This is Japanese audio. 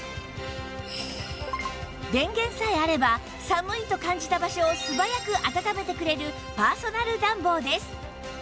電源さえあれば寒いと感じた場所を素早くあたためてくれるパーソナル暖房です